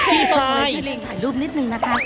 ให้เรียกถ่ายรูปนิดนึงนะคะ